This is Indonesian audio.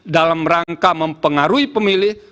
dalam rangka mempengaruhi pemilih